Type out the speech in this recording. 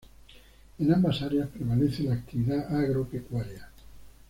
En ambas áreas prevalece la actividad agropecuaria.